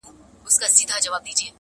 او د ټولنې پر ضمير اوږد سيوری پرېږدي,